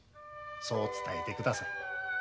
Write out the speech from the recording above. そう伝えてください。